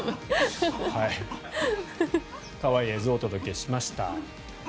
可愛い映像をお届けしました。